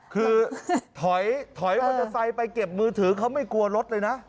คือถอยมอเตอร์ไซค์ไปเก็บมือถือเขาไม่กลัวรถเลยนะ